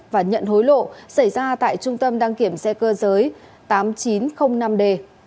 và nhận hối lộ xảy ra tại trung tâm đăng kiểm xe cơ giới tám nghìn chín trăm linh năm d